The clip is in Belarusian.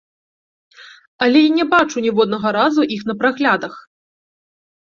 Але я не бачыў ніводнага разу іх на праглядах.